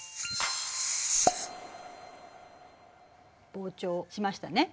膨張しましたね。